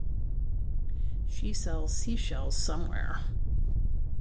She sells sea shells somewhere.